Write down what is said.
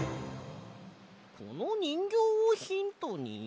このにんぎょうをヒントに？